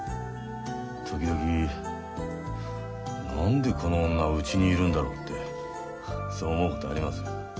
時々何でこの女うちにいるんだろうってそう思うことありますよ。